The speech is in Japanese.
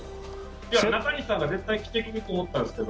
中西さんが絶対着てくると思ったんですけど。